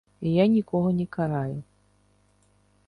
Я нікога не караю.